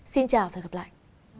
xin chào và hẹn gặp lại